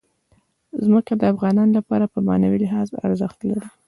ځمکه د افغانانو لپاره په معنوي لحاظ ارزښت لري.